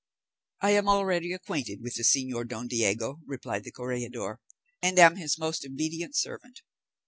"I am already acquainted with the señor Don Diego," replied the corregidor, "and am his most obedient servant."